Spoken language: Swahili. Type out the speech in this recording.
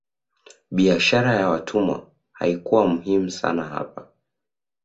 Biashara ya watumwa haikuwa muhimu sana hapa